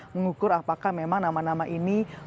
mengukur apakah memang nama nama ini